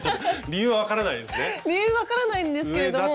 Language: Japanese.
理由分からないんですけれども。